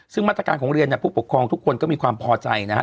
ซึ่งมาตรการของเรียนเนี่ยผู้ปกครองทุกคนก็มีความพอใจนะฮะ